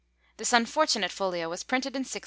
This unfortunate folio was printed in 1656.